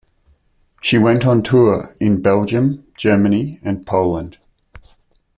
She went on tour in Belgium, Germany and Poland.